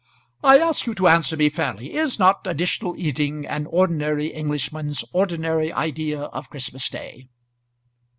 "I ask you to answer me fairly. Is not additional eating an ordinary Englishman's ordinary idea of Christmas day?"